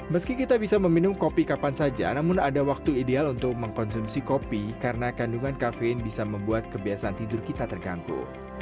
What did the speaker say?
meski kita bisa meminum kopi kapan saja namun ada waktu ideal untuk mengkonsumsi kopi karena kandungan kafein bisa membuat kebiasaan tidur kita terganggu